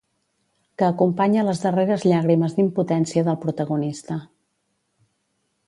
Que acompanya les darreres llàgrimes d'impotència del protagonista.